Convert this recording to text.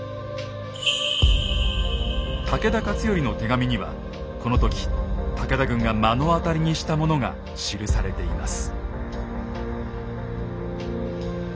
武田勝頼の手紙にはこの時武田軍が目の当たりにしたものが記されています。